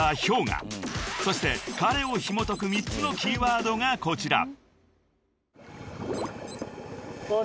［そして彼をひもとく３つのキーワードがこちら］